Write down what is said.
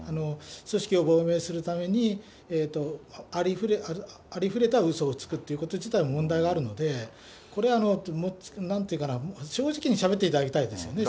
組織を防衛するために、ありふれたうそをつくということ自体が問題があるんで、これはなんというかな、正直にしゃべってもらいたいですよね。